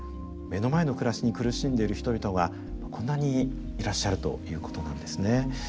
目の前の暮らしに苦しんでる人々がこんなにいらっしゃるということなんですね。